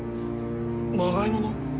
まがいもの？